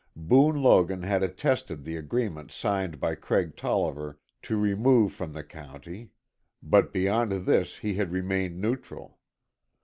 Boone Logan had attested the agreement signed by Craig Tolliver to remove from the county. But beyond this he had remained neutral.